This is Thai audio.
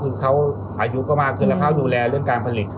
คือเขาอายุก็มากขึ้นแล้วเขาดูแลเรื่องการผลิต